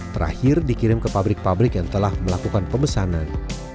terakhir dikirim ke pabrik pabrik yang telah melakukan pemesanan